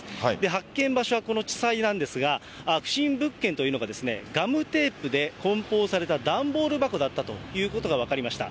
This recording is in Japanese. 発見場所はこの地裁なんですが、不審物件というのがガムテープでこん包された段ボール箱だったということが分かりました。